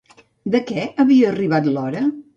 De què havia arribat l'hora?